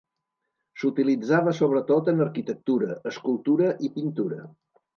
S'utilitzava sobretot en arquitectura, escultura i pintura.